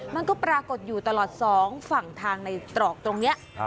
มันก็ปรากฏอยู่ตลอดสองฝั่งทางในตรอกตรงนี้